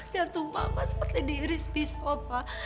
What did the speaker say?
jantung mama seperti diiris pisau pa